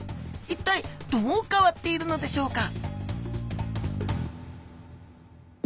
一体どう変わっているのでしょうか？